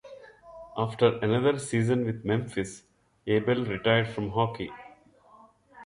After another season with Memphis, Abel retired from hockey.